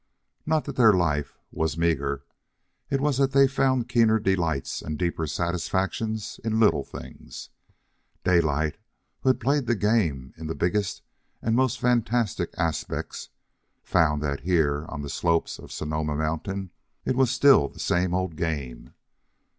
Not that their life was meagre. It was that they found keener delights and deeper satisfactions in little things. Daylight, who had played the game in its biggest and most fantastic aspects, found that here, on the slopes of Sonoma Mountain, it was still the same old game.